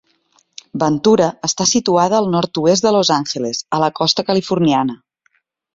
Ventura està situada al nord-oest de Los Angeles a la costa californiana.